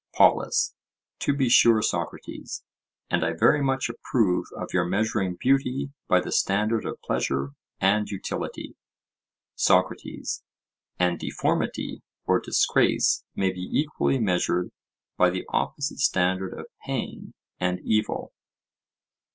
POLUS: To be sure, Socrates; and I very much approve of your measuring beauty by the standard of pleasure and utility. SOCRATES: And deformity or disgrace may be equally measured by the opposite standard of pain and evil?